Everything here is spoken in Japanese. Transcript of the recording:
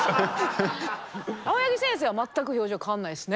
青柳先生は全く表情変わんないですね。